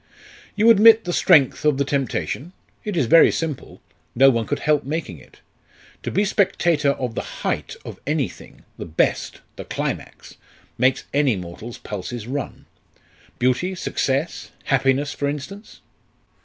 "You admit the strength of the temptation? It is very simple, no one could help making it. To be spectator of the height of anything the best, the climax makes any mortal's pulses run. Beauty, success, happiness, for instance?"